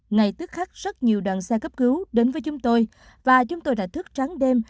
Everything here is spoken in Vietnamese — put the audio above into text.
ngày tức khắc rất nhiều đoàn xe cấp cứu đến với chúng tôi và chúng tôi đã thức trắng đêm